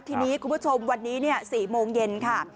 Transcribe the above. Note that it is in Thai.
ทีนี้คุณผู้ชมวันนี้๔โมงเย็นค่ะ